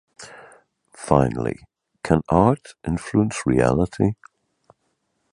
Finally, can art influence reality?